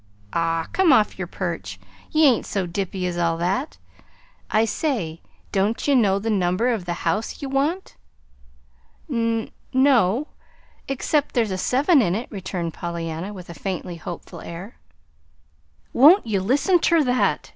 "Aw, come off yer perch! Ye ain't so dippy as all that. I say, don't ye know the number of the house ye want?" "N no, except there's a seven in it," returned Pollyanna, with a faintly hopeful air. "Won't ye listen ter that?"